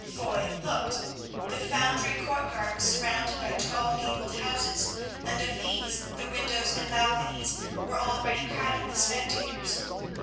Foy looked. The foundry courtyard was surrounded by tall gabled houses, and of these the windows and balconies were already crowded with spectators.